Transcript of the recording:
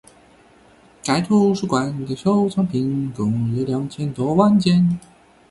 该图书馆的收藏品共有两千多万件。